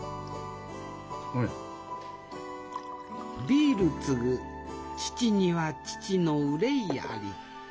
「ビール注ぐ父には父の愁ひあり」。